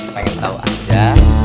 pengen tau aja